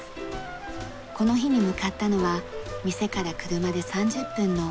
この日に向かったのは店から車で３０分の登別温泉。